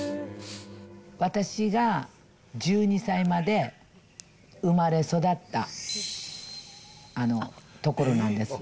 私が１２歳まで生まれ育った所なんです。